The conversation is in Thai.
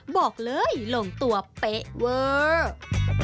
บอกเลยลงตัวเป๊ะเวอร์